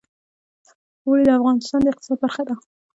اوړي د افغانستان د اقتصاد برخه ده.